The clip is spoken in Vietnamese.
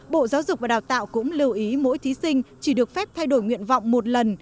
bộ giáo dục và đào tạo cũng lưu ý mỗi thí sinh chỉ được phép thay đổi nguyện vọng một lần